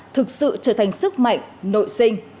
thực sự trở thành sức mạnh nội sinh